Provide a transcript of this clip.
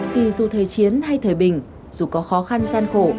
thì dù thời chiến hay thời bình dù có khó khăn gian khổ